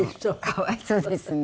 かわいそうですね。